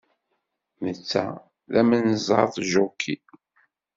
Netta d amenzaḍ Joki.